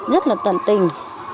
rất là tận tình